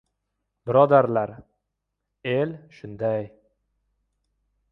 Birodarlar, el shunday!